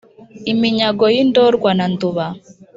iminyago yi ndorwa na nduba